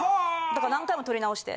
だから何回も撮りなおして。